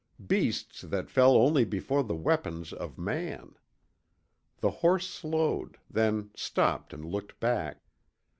Beasts that fell only before the weapons of man. The horse slowed, then stopped and looked back.